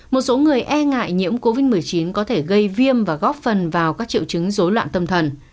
một số người e ngại nhiễm covid một mươi chín có thể gây viêm và góp phần vào các triệu chứng dối loạn tâm thần